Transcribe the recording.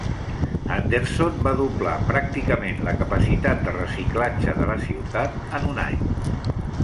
Anderson va doblar pràcticament la capacitat de reciclatge de la ciutat en un any.